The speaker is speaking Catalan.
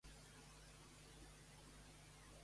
Ell estima la seva muller Helena.